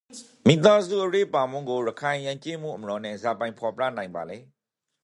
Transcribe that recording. မိသားစုအရေးပါမှုကိုရခိုင်ယိုင်ကျေးမှုအမြင်နန့်ဇာပိုင်ဖော်ပြနိုင်ပါလေ